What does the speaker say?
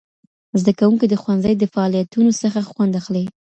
زدهکوونکي د ښوونځي د فعالیتونوڅخه خوند اخلي.